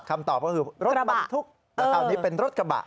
คำตอบก็คือรถบรรทุกแต่คราวนี้เป็นรถกระบะ